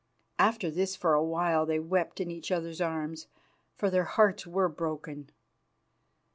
After this for a while they wept in each other's arms, for their hearts were broken.